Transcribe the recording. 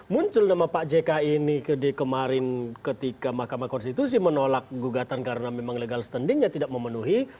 muncul nama pak jk ini kemarin ketika mahkamah konstitusi menolak gugatan karena memang legal standingnya tidak memenuhi